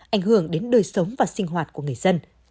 ảnh hưởng đến đời sống và sinh hoạt của người dân